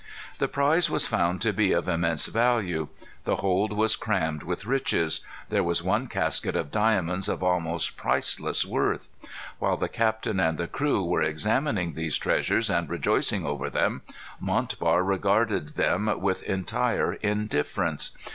The prize was found to be of immense value. The hold was crammed with riches. There was one casket of diamonds of almost priceless worth. While the captain and the crew were examining these treasures, and rejoicing over them, Montbar regarded them with entire indifference.